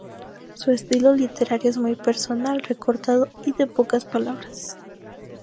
Su estilo literario es muy personal, recortado y de pocas palabras.